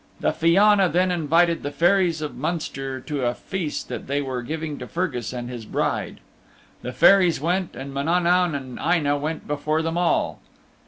The Fianna then invited the Fairies of Munster to a feast that they were giving to Fergus and his bride. The Fairies went, and Mananaun and Aine' went before them all.